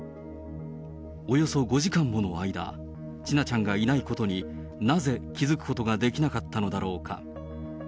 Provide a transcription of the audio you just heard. およそ５時間もの間、千奈ちゃんがいないことに、なぜ、気付くことができなかったのだろうか。